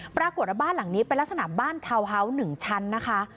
ปรากฏว่าบ้านหลังนี้เป็นลักษณะบ้านทาวน์ฮาวส์๑ชั้นนะคะ